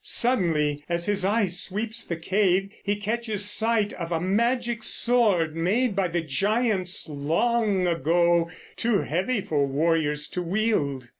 Suddenly, as his eye sweeps the cave, he catches sight of a magic sword, made by the giants long ago, too heavy for warriors to wield.